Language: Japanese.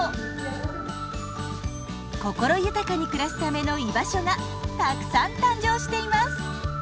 心豊かに暮らすための居場所がたくさん誕生しています。